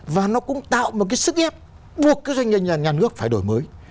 và nó cũng tạo một cái sức ép buộc cái doanh nghiệp nhà nước phải đổi mới